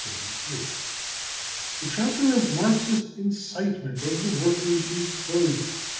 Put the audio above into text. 4 4 The chapter of Marxist incitement of the workers is closed.